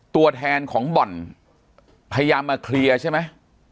ปากกับภาคภูมิ